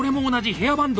ヘアバンド！